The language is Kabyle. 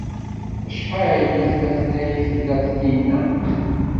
Acḥal n waytmaten ay tla Taninna?